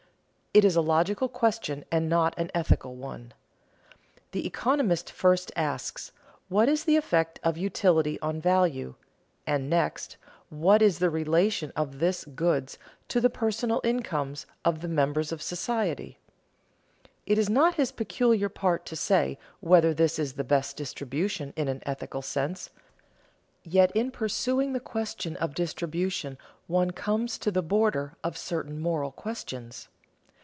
It is a logical question and not an ethical one. The economist first asks, What is the effect of utility on value? and, next, What is the relation of these goods to the personal incomes of the members of society? It is not his peculiar part to say whether this is the best distribution in an ethical sense, yet in pursuing the question of distribution one comes to the border of certain moral questions.